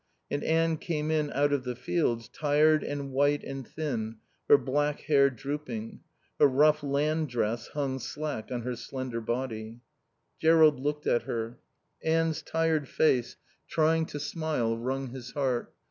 And Anne came in out of the fields, tired and white and thin, her black hair drooping. Her rough land dress hung slack on her slender body. Jerrold looked at her. Anne's tired face, trying to smile, wrung his heart.